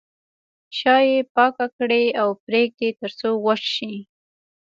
شا یې پاکه کړئ او پرېږدئ تر څو وچ شي.